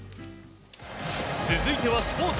続いてはスポーツ。